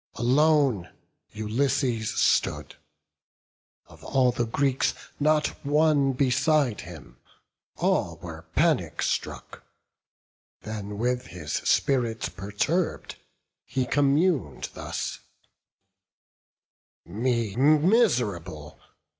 Alone Ulysses stood; of all the Greeks Not one beside him; all were panic struck: Then with his spirit, perturb'd, he commun'd thus: "Me miserable!